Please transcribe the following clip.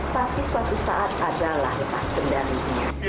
pasti suatu saat adalah lepas kendali